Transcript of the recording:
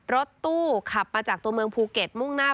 รถตู้ขับมาจากตัวเมืองภูเก็ตมุ่งหน้า